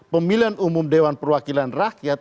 pemilihan umum dewan perwakilan rakyat